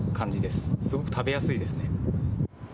すごく食べやすいですね。